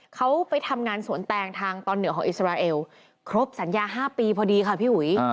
เขาไปทำงานสวนแตงทางตอนเหนือของอิสราเอลครบสัญญา๕ปีพอดีค่ะพี่อุ๋ย